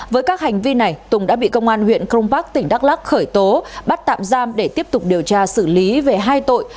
với các hành vi này tùng đã bị công an huyện cron park tỉnh đắk lắc khởi tố bắt tạm giam để tiếp tục điều tra xử lý về hai tội